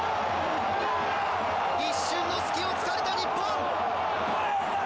一瞬の隙を突かれた日本。